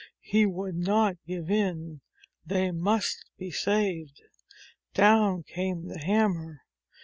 He would not give in. They must be saved. Down came the hammer.